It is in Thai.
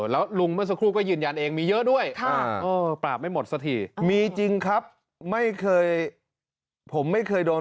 แล้วลุงเมื่อสักครู่ก็ยืนยันเองมีเยอะด้วย